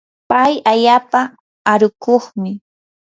pay allaapa arukuqmi.